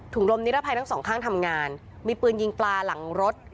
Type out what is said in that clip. ลมนิรภัยทั้งสองข้างทำงานมีปืนยิงปลาหลังรถ